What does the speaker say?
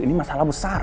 ini masalah besar